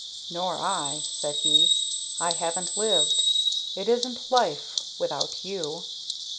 "Nor I," said he. "I haven't lived. It isn't life without you.